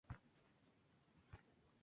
Sencillo Comercial Europa